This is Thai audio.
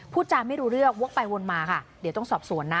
จานไม่รู้เรื่องวกไปวนมาค่ะเดี๋ยวต้องสอบสวนนะ